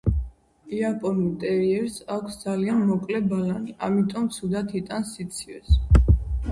იაპონურ ტერიერს აქვს ძალიან მოკლე ბალანი, ამიტომ ცუდად იტანს სიცივეს.